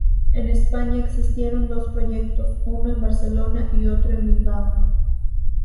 En España existieron dos proyectos, uno en Barcelona y otro en Bilbao.